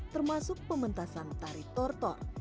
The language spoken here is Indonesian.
termasuk pementasan tari tor tor